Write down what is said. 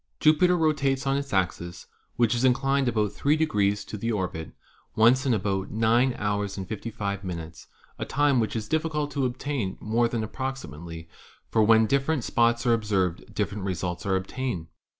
Jupiter rotates on its axis, which is inclined about 3 to the orbit, once in about 9 hours and 55 minutes, x a time which is difficult to obtain more than approximately, for when different spots are observed different results are obtained.